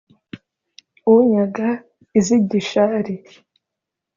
unyaga iz'i gishari,